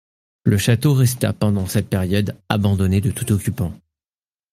Le château resta pendant cette période abandonné de tout occupant.